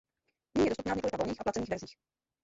Nyní je dostupná v několika volných a placených verzích.